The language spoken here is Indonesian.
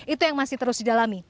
itu yang masih terus didalami